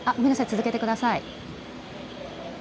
続けてください。